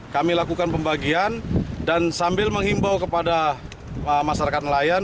kami lakukan pembagian dan sambil menghimbau kepada masyarakat nelayan